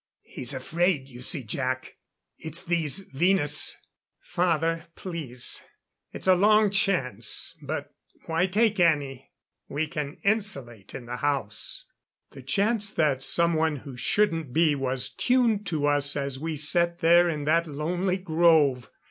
"He's afraid you see, Jac, it's these Venus " "Father please. It's a long chance but why take any? We can insulate in the house." The chance that someone who shouldn't be, was tuned to us as we sat there in that lonely grove!